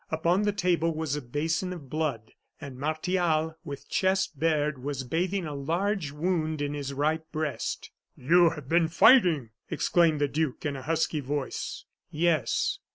Upon the table was a basin of blood, and Martial, with chest bared, was bathing a large wound in his right breast. "You have been fighting!" exclaimed the duke, in a husky voice. "Yes."